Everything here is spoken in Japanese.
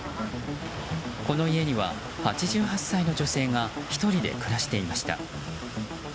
この家には８８歳の女性が１人で暮らしていました。